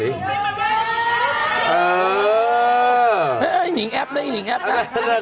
เออเออเออไอ้หงิงแอบนะไอ้หงิงแอบนะ